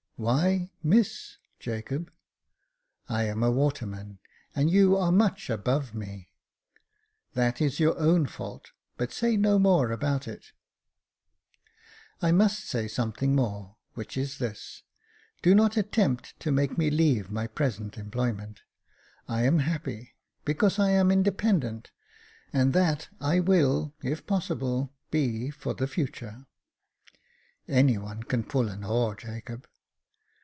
" Why, Miss, Jacob ?"*' I am a waterman, and you are much above me." " That is your own fault ; but say no more about it." 3i6 Jacob Faithful "I must say something more, which is this: do not attempt to make me leave my present employment j I am happy, because I am independent ; and that I will, if possible, be for the future." " Any one can pull an oar, Jacob."